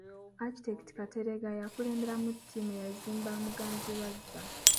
Architect Kateregga y'eyakulemberamu ttiimu eyazimba Muganzirwazza.